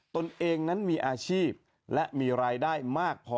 ตนเองนั้นมีอาชีพและมีรายได้มากพอ